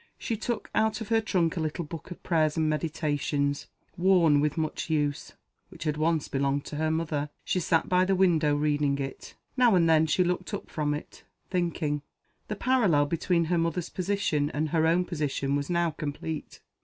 She took out of her trunk a little book of Prayers and Meditations worn with much use which had once belonged to her mother. She sat by the window reading it. Now and then she looked up from it thinking. The parallel between her mother's position and her own position was now complete.